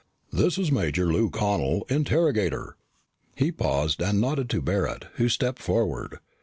"This is Major Lou Connel, interrogator!" He paused and nodded to Barret who stepped forward.